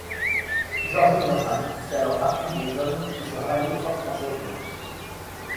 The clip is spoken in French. Georges Ungerman fait alors partie des hommes qui se rallient aux forces françaises libres.